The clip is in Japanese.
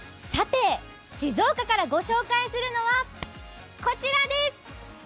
静岡からご紹介するのはこちらです。